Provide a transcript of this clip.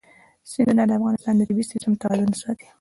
سیندونه د افغانستان د طبعي سیسټم توازن ساتي.